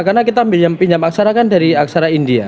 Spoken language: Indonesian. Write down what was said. karena kita pinjam aksara kan dari aksara india